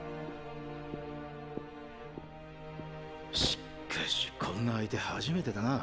・しっかしこんな相手初めてだな。